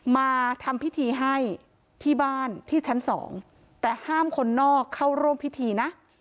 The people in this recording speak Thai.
มาทำพิธีให้ที่บ้านที่ชั้นสองแต่ห้ามคนนอกเข้าร่วมพิธีนะ